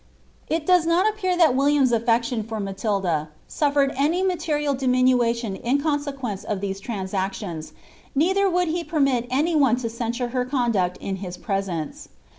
* It does not appear that William's alFcction for Matilda sulTered ai^ material diminution in consequence of these transactions, neither wonli he permit any one to censure her conduct in liis presence.'